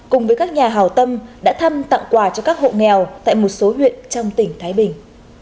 cùng với các nhà hào tâm đã thăm tặng quà cho các hộ nghèo tại một số huyện trong tỉnh thái bình